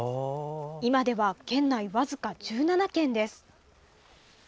今では、県内わずか１７軒です。